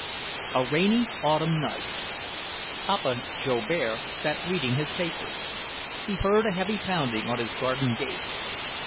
XII A rainy autumn night; Papa Joubert sat reading his paper. He heard a heavy pounding on his garden gate.